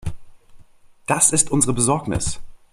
Das ist unsere Besorgnis.